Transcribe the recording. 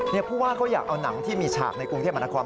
ผู้ว่าเขาอยากเอาหนังที่มีฉากในกรุงเทพมหานคร